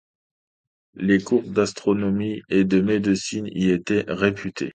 Les cours d'astronomie et de médecine y étaient réputés.